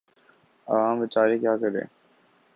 عوام بیچارے کیا کریں۔